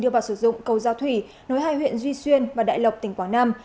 đưa vào sử dụng cầu giao thủy nối hai huyện duy xuyên và đại lộc tỉnh quảng nam